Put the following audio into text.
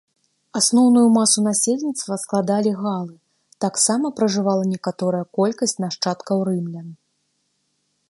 Асноўную масу насельніцтва складалі галы, таксама пражывала некаторая колькасць нашчадкаў рымлян.